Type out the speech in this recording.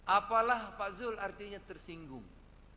apalah pak zul artinya tersinggung